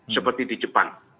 seperti di jepang